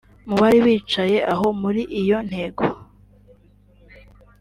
Mu bari bicaye aho muri iyo ntego